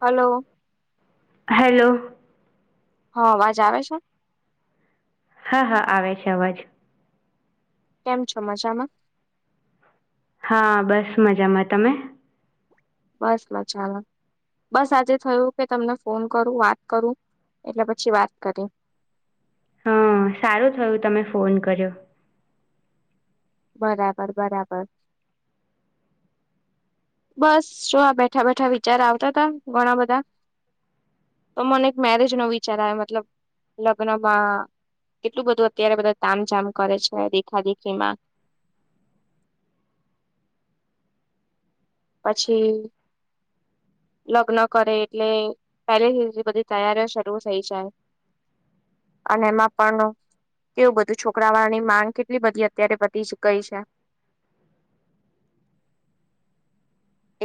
Hello, hello. હ અવાજ આવે છે.? હા હા આવે છે અવાજ. કેમ છો મજામાં? હા બસ મજામાં. તમે? બસ મજામાં. બસ આજે થયું કે, તમને ફોન કરું, વાત કરું, એટલે પછી વાત કરી. હ સારું થયું, તમે ફોન કર્યો. બરાબર, બરાબર. બસ શ આ બેઠા-બેઠા વિચાર આવતા તા, ઘણા બધા. તો મને એક મેરેજ નો વિચાર આવે, મતલબ લગ્નમાં કેટલું બધું અત્યારે બધા તામ જામ કરે છે, દેખા-દેખીમાં. પછી લગ્ન કરે, એટલે પહેલીથીધી બધી તૈયારીઓ શરૂ થઈ જાય. અને એમાં પણ કેવું બધું છોકરા વાળા ની માંગ કેટલી બધી અત્યારે બધી જ ગઈ છે.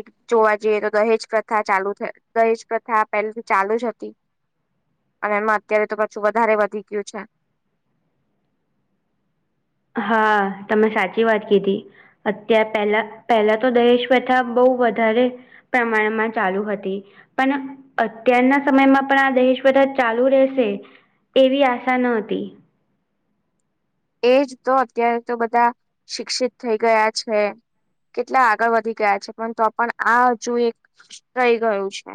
એક જોવા જઈએ તો, દહેજ પ્રથા ચાલુ, દહેજ પ્રથા પહેલેથી ચાલુ જ હતી. અને એમાં અત્યારે તો પાછું વધારે વધી ગયું છે. હા, તમે સાચી વાત કીધી. અત્યારે પહેલા પહેલા તો દહેજ પ્રથા બહુ વધારે. પ્રમાણમાં ચાલુ હતી. પણ અત્યારના સમયમાં પણ આ દહેજ પ્રથા ચાલુ રહેશે. એવી આશા ન હતી. એજ તો અત્યારે તો બધા શિક્ષિત થઈ ગયા છે. કેટલા આગળ વધી ગયા છે, પરંતુ પણ આ જો એક થઈ ગયું છે.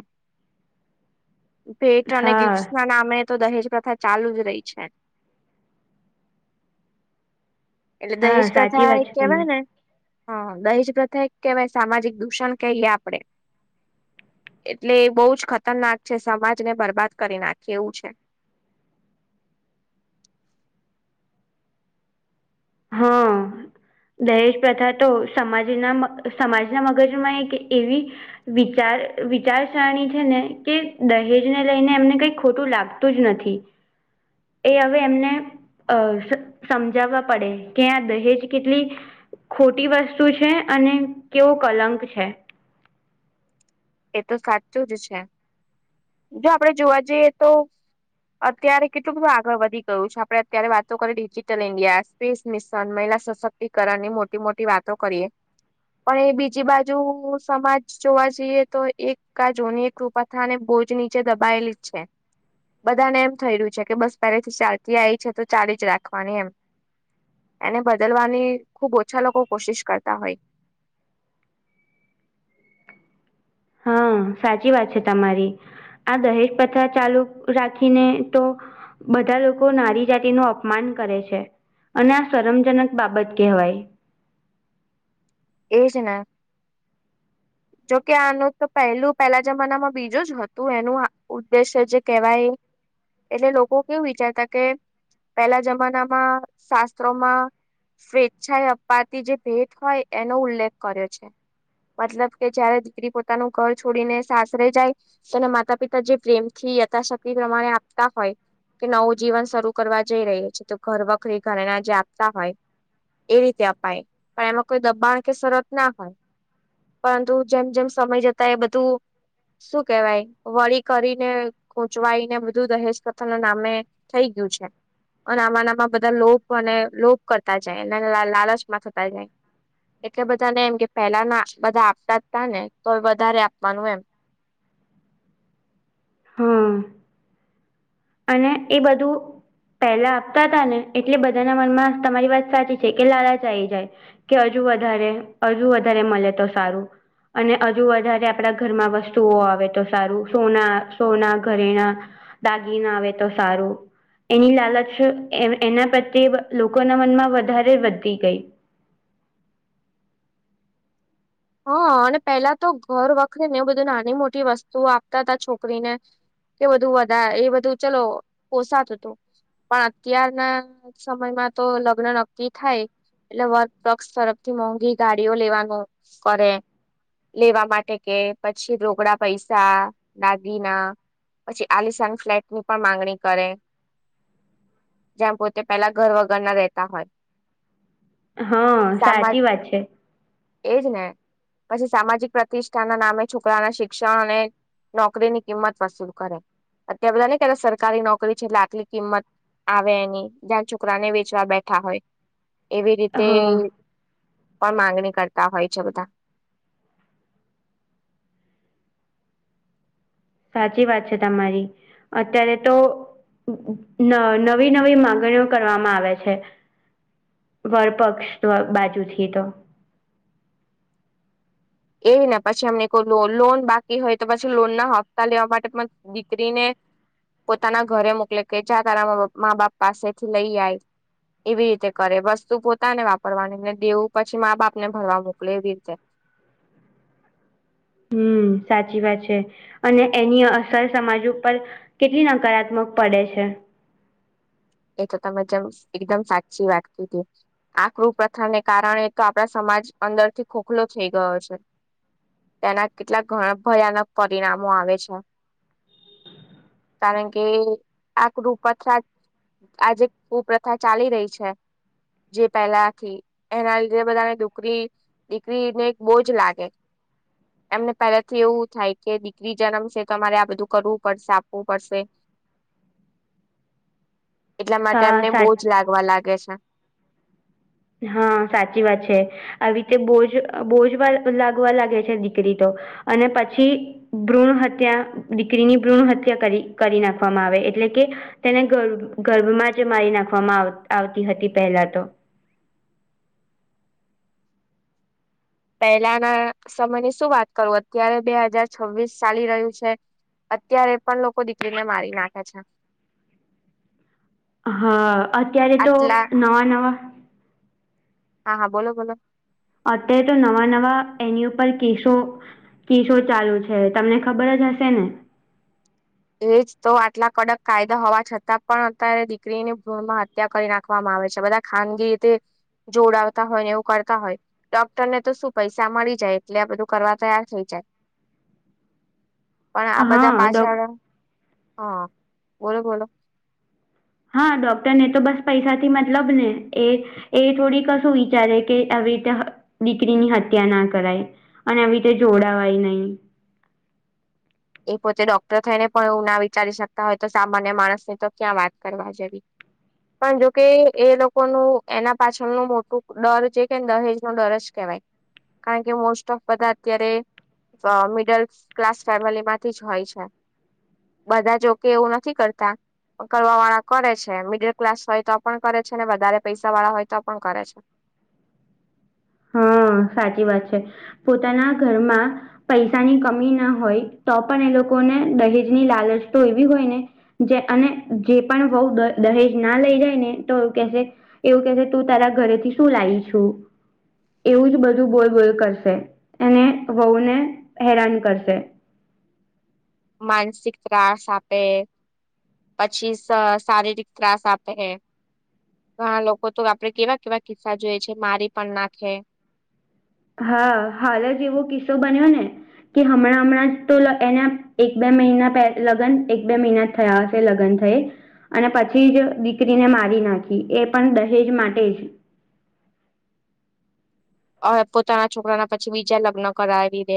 ભેટ અને હા ગિફ્ટ ના નામે તો, દહેજ પ્રથા ચાલુ જ રહી છે. એટલે હા દહેજ સાચી પ્રથા વાત એક છે કેવાય તમે ને. હ, દહેજ પ્રથા કેવાય સામાજિક દૂષણ કહીએ આપડે. એટલે એ બહુ જ ખતરનાક છે, સમાજ ને બરબાદ કરી નાખી એવું છે. હા [unintelligible] દહેજ પ્રથા તો સમાજના, સમાજના મગજમાં એક એવી વિચાર વિચારસરણી છે ને કે, દહેજ ને લઈને, એમને કઈ ખોટું લાગતું જ નથી. [unintelligible] એ હવે, એમને અ સમજાવવા. પડે કે, આ દહેજ કેટલી ખોટી વસ્તુ છે, અને કેવો કલંક છે. એ તો સાચું જ છે, જો આપડે જોવા જઈએ તો. અત્યારે કેટલું બધું આગળ વધી ગયું છે, આપડે અત્યારે વાતો કરીએ ડિજિટલ ઇન્ડિયા સ્પેસ મિશન મહિલા સશક્તિકરણ ની મોટી-મોટી વાતો કરીએ. પણ એ બીજી બાજુ સમાજ જોવા જઈએ. તો એક કા જોની એક કૃપાથા અને બોજ નીચે દબાયેલી જ છે. બધા ને એમ થઈ રહ્યું છે કે, બસ પહેલેથી ચાલતી આવી છે, તો ચાલી જ રાખવાની એમ. એને બદલવાની ખુબ ઓછા લોકો કોશિશ કરતા હોય. હા, સાચી વાત છે તમારી. આ દહેજ પથા ચાલુ રાખીને તો. બધા લોકો નારી જાતિ નું અપમાન કરે છે. અને આ શરમજનક બાબત કહેવાય. એ છે. જોકે આનું તો પહેલું પેલા જમાનામાં બીજું જ હતું, એનું ઉદ્દેશ્ય જે કેહેવાય. એટલે લોકો કેવું વિચારતા કે, પેલા જમાનામાં શાસ્ત્રોમાં સ્વેચ્છાએ અપાતી જે ભેટ હોય, એનો ઉલ્લેખ કર્યો છે. મતલબ કે, જયારે દીકરી પોતાનું ઘર છોડીને, સાસરે જાય. અને માતા-પિતા જે પ્રેમ થી યથાશક્તિ પ્રમાણે આપતા હોય. કે નવું જીવન શરૂ કરવા જઈ રહી છે, તો ઘર વખરી ઘરે એને જે આપતા હોય. એ રીતે અપાય, પણ એમાં કોઈ દબાણ કે, શરત ના હોય. પરંતુ જેમ જેમ સમય જતા એ બધું. શું કેવાય? વળી કરીને ખોચવાઈ ને, બધું દહેજ કથા ન નામે. થઈ ગયું છે. અને આમાં નામાં બધા લોપ, અને લોપ કરતા જાય, અને લાલચમાં થતા જાય. એટલે બધાને એમ કે, પેલા ના બધા આપતા જ તા ને, તો વધારે આપવાનું એમ. હા. અને એ બધું. પહેલા આપતા હતા ને, એટલે બધાના મનમાં તમારી વાત સાચી છે કે, લાલા ચાઈ જાય. કે હજુ વધારે, હજુ વધારે મળે તો સારું. અને હજુ વધારે આપડા ઘરમાં વસ્તુઓ આવે તો સારું, સોના સોના ઘરેણા. ના આવે તો સારું. એની લાલચ એના પ્રત્યે લોકોના મનમાં વધારે વધતી ગઈ. હા, અને પેલા તો ઘર વખરે ને, એવું બધું નાની મોટી વસ્તુઓ આપતા હતા છોકરીને. કે બધું વધારે એ, બધું ચલો પોસાતું હતું. પણ અત્યારના સમયમાં તો લગ્ન નક્કી થાય. એટલે વર્ક પક્ષ તરફથી મોંઘી ગાડીઓ લેવાનું કરે. લેવા માટે કે, પછી રોકડા પૈસા દગીના. પછી આલિશાન ફ્લેટ ની પણ માંગણી કરે. જ્યાં પોતે પેલા ઘર વગર ના રહેતા હોય. હા, સામા સાચી વાત છે. એજ ને, પછી સામાજિક પ્રતિષ્ઠા ના નામે છોકરા ના શિક્ષણ, અને નોકરીની કિંમત વસૂલ કરે, અતાર બધા ને, ક સરકારી નોકરી છે, એટલે આટલી કિંમત આવે, એની જ્યાં છોકરાને વેચવા બેઠા હોય. એવી રીતે હા પણ માંગણી કરતા હોય છે બધા. સાચી વાત છે તમારી, અત્યારે તો ન નવી-નવી મામાંગણીઓ કરવામાં આવે છે. વળપક્ષ બાજુથી તો. એવી ને પછી એમને લોન બાકી હોય તો, પછી લોન ના હપ્તા લેવા માટે. દીકરી ને. પોતાના ઘરે મોકલે કે, ચા તારા મા બાપ પાસેથી લઈ આવીય. એવી રીતે કરે, વસ્તુ પોતાને વાપરવાની એટલે દેવું, પછી મા બાપ ને ભરવા મોકલે, એવી રીતે. હમ, સાચી વાત છે, અને એની અસર સમાજ ઉપર કેટલી નકારાત્મક પડે છે. એ તો ત જેમ એકદમ સાચી વાગતું હતું. આકૃ પ્રથાને કારણે તો આપડા સમાજ અંદર થી ખોખલો થઈ ગયો છે. તેના કેટલા ઘણા ભયાનક પરિણામો આવે છે. કારણ કે આક્રૂપછા આજે શું પ્રથા ચાલી રહી છે. જે પેલાથી એના લીધે બધાને દુકરી દીકરીને બોજ લાગે. એમને પહેલાથી એવું થાય કે દીકરી જન્મ છે તો અમારે આ બધું કરવું પડશે આપવું પડશે એટલા માટે હા અમને સા બોજ લાગવા લાગે છે. હા સાચી વાત છે આવીતે બોજ બોજ લાગવા લાગે છે દીકરી તો અને પછી ભ્રૂણ હત્યા દીકરીની ભ્રૂણ હત્યા કરી કરી નાખવામાં આવે એટલે કે તેને ગર્ભ ગર્ભમાં જ મારી નાખવામાં આવ આવતી હતી પહેલા તો પહેલાના સમયની શું વાત કરું અત્યારે બે હજાર છવ્વીસ ચાલી રહ્યું છે. અત્યારે પણ લોકો દીકરીને મારી નાખે છે. હા અત્યારે તો આટલા નવા નવા હા હા બોલો બોલો અત્યારે તો નવા નવા એની ઉપર કેસો કેશો ચાલુ છે તમને ખબર જ હશે ને એજ તો આટલા કડક કાયદા હોવા છતાં પણ અત્યારે દીકરીની ભ્રૂણમાત હત્યા કરી નાખવામાં આવે છે બધા ખાનગી રીતે જોડાવતા હોય ને એવું કરતા હોય ડોક્ટર ને તો શું પૈસા મળી જાય એટલે આ બધું કરવા તૈયાર થઈ જાય પણ આ બધા હા ડોક પાછળ હા બોલો બોલો હા ડોક્ટર ને તો બસ પૈસાથી મતલબને એ એ થોડી કશું વિચારે કે આવીતો દીકરીની હત્યા ના કરાય અને આવી રીતે જોડાવાય નહી. એ પોતે ડોક્ટર થઈને પણ એવું ના વિચારી શકતા હોય તો સામાન્ય માણસની તો ક્યાં વાત કરવા જવી પણ જોકે એ લોકોનું એના પાછળનું મોટું ડર છે કે દહેજ નો ડર જ કેવાય કારણ કે મોસ્ટઓફ બધા અત્યારે અ મિડલ ક્લાસ ફેમિલીમાં થી જ હોય છે બધા જોકે એવું નથી કરતા કરવા વાળા કરે છે મિડલ ક્લાસ હોય તો પણ કરે છે ને વધારે પૈસા વાળા હોય તો પણ કરે છે. હા સાચી વાત છે પોતાના ઘરમાં પૈસાની કમી ના હોય તો પણ એ લોકોને દહેજની લાલચ તો એવી હોય ને જે અને જે પણ વવું દહેજ ના લઈ જાય ને તો કેશે એવું કે છે તું તારા ઘરેથી શું લાવી છુ. એવું જ બધું બોલ બોલ કરશે અને વવુંને હેરાન કરશે. માનસિક ત્રાસ આપે પછી શ શારીરિક ત્રાસ આપે ઘણા લોકો તો આપડે કેવા કેવા કિસ્સા જોયે છે મારી પણ નાખે હા હાલ જ એવો કિસ્સો બન્યો ને કે હમણાં હમણાં જ તો એના એક બે મહિના પેલા લગન એક બે મહિના થયા છે લગન થઈ અને પછી જ દીકરીને મારી નાખી એ પણ દહેજ માટે જ અ પોતાના છોકરાના પછી બીજે લગ્ન કરાવી દે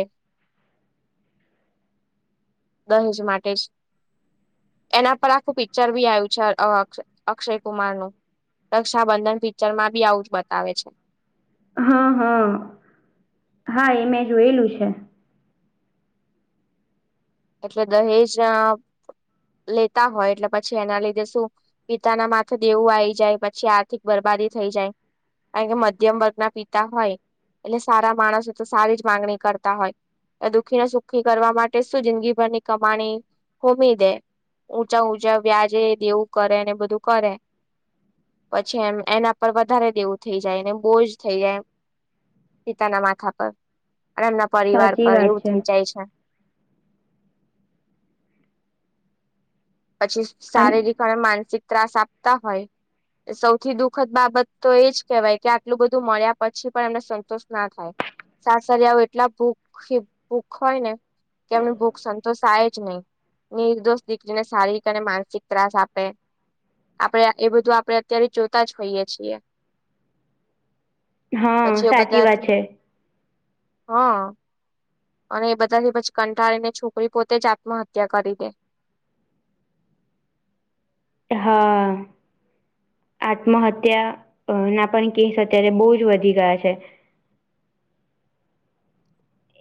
દહેજ માટે જ એના પર આખું પિક્ચર ભી આવ્યું છે અક્ષય કુમારનું રક્ષાબંધન પિક્ચરમાં ભી આવું જ બતાવે છે. હા હા હા એ મેં જોયેલું છે. એટલે દહેજ જ્યાં લેતા હોય એટલે પછી એના લીધે શું પિતાના માથે દેવું આવી જાય પછી આર્થિક બરબાદી થઈ જાય કારણ કે મધ્યમ વર્ગના પિતા હોય એટલે સારા માણસો તો સારી જ માંગણી કરતા હોય એ દુઃખીને સુખી કરવા માટે શું જિંદગીભરની કમાણી હોમી દે. ઊંચા-ઊંચા વ્યાજે દેવું કરે ને, બધું કરે. પછી એમ એના પર વધારે દેવું થઈ જાય ને, બોજ થઈ જાય. પિતાના માથા પર અને એમના પરિવાર સાચી પર વાત એવું થઇ જાય છે. પછી શારીરિક અને માનસિક ત્રાસ આપતા હોય. સૌથી દુઃખદ બાબત તો એજ કહેવાય કે, આટલું બધું મળ્યા, પછી પણ એમને સંતોષ ના થાય. સાસરી આવે, એટલા ભૂખ-ભૂખ હોય ને. કે એમને ભૂખ સંતોષાય જ નહી, નિર્દોષ દીકરીને. શારીરિક અને માનસિક ત્રાસ આપે. આપણે એ બધું આપણે અત્યારે જોતા જ હોઈએ છીએ. હા પછી સાચી બધા વાત છે હા. અને એ બધાથી પછી કંટાળીને, છોકરી પોતે જ આત્મહત્યા કરી દે. હા. આત્મહત્યા ના પણ કેસ અત્યારે બહુ જ વધી ગયા છે.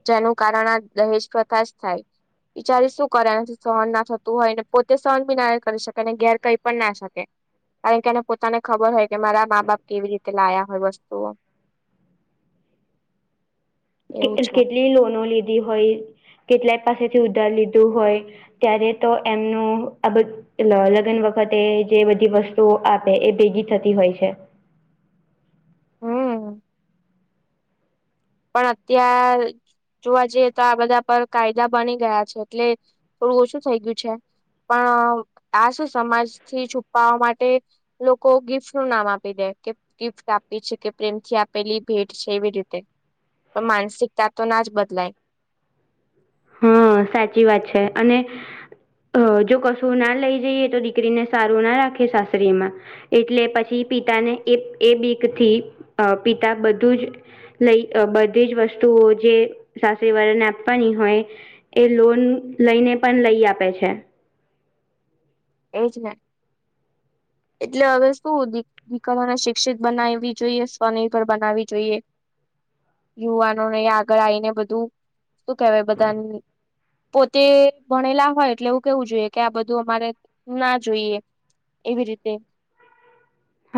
જેનું કારણ આ દહેજ પ્રથશ થાય. બિચારી શું કર્યા નથી, સહન ના થતું હોયને, પોતે સહન બી ના કરી શકે, અને ઘેર કઈ પણ ના શકે. કારણ કે, એને પોતાને ખબર હોય કે, મારા મા બાપ કેવી રીતે લાયા હોય વસ્તુઓ. [unintelligible] કે એવું છે. કેટલી લોનો લીધી હોય, કેટલાય પાસેથી ઉધાર લીધું હોય. ત્યારે તો એમનું અબ એટ લગ્ન વખતે જે બધી વસ્તુઓ આપે, એ ભેગી થતી હોય છે. હમ. પણ અત્યારે જોવા જઈએ, તો આ બધા પર કાયદા બની ગયા છે, એટલે થોડું ઓછું થઈ ગયું છે. પણ આસ સમાજથી છુપાવા માટે. લોકો ગિફ્ટ નું નામ આપી દે કે ગિફ્ટ આપી છે કે, પ્રેમ થી આપેલી ભેટ છે, એવી રીતે. તો માનસિકતા તો ના જ બદલાય. હા, સાચી વાત છે, અને અ જો કશું ના લઈ જઈએ, તો દીકરીને સારું ના રાખે, સાસરીમાં. એટલે પછી પિતાને, એ એ બીક થી પિતા બધું જ લઈ બધી જ વસ્તુઓ જે સાથે વળન આપવાની હોય. એ લોન લઈને પણ લઈ આપે છે. એજ ને એટલે હવે શું દી. દીકરોને શિક્ષિત બનાવવી જોઈએ, સ્વનિર્ભર બનાવી જોઈએ. યુવાનોને આગળ આવીને, બધું શું કેહેવાય બધા. પોતે ભણેલા હોય, એટલે એવું કેવું જોઈએ કે, આ બધું અમારે ના જોઈએ એવી રીતે.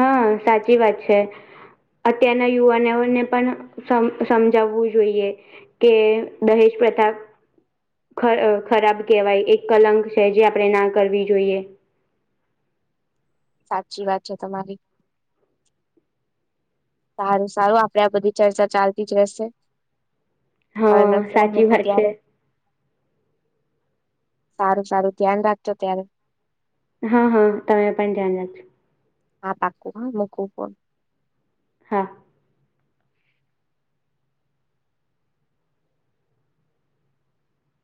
હા, સાચી વાત છે. અત્યારના યુવાનોઓને પણ સમજાવવું જોઈએ. કે, દહેશ પ્રતાપ. ખ ખરાબ કેહેવાય એક કલંક છે, જે આપણેે ના કરવી જોઈએ. સાચી વાત છે તમારી. સારું, સારું, આપડે આ બધી ચર્ચા ચાલતી જ રહેશે. હ, હા ફોન સાચી મૂકું વાત છે ત્યારે. સારું સારું ધ્યાન રાખજો ત્યારે. હા હા તમે પણ ધ્યાન રાખો. હા પાક હા મ ક ફ. હા.